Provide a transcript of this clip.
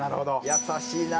優しいな！